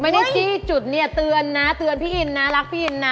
ไม่ได้จี้จุดเนี่ยเตือนนะเตือนพี่อินนะรักพี่อินนะ